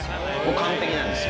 完璧なんですよ